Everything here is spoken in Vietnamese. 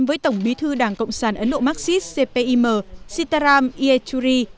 với tổng bí thư đảng cộng sản ấn độ marxist cpim sitaram ietchuri